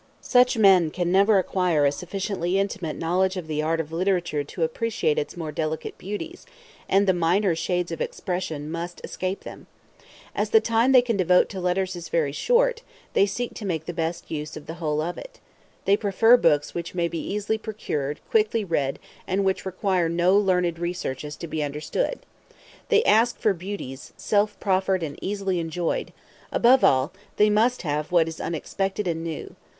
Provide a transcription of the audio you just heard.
Such man can never acquire a sufficiently intimate knowledge of the art of literature to appreciate its more delicate beauties; and the minor shades of expression must escape them. As the time they can devote to letters is very short, they seek to make the best use of the whole of it. They prefer books which may be easily procured, quickly read, and which require no learned researches to be understood. They ask for beauties, self proffered and easily enjoyed; above all, they must have what is unexpected and new.